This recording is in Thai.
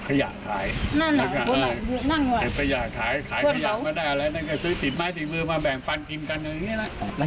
เพราะแกิ้งมองคุณพ่อได้มาหรอกเดี๋ยวคุณกิ้งมอง